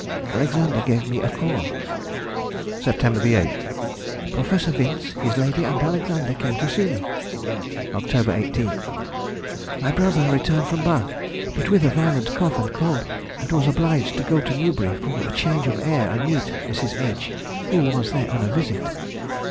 Alexander gave me a call. September 8th.—Professor Vince, his lady, and Alexander came to see me. October 18th.—My brother returned from Bath, but with a violent cough and cold, and was obliged to go to Newbury for change of air and meet Mrs. H., who was there on a visit.